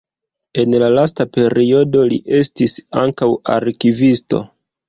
En la lasta periodo li estis ankaŭ arkivisto.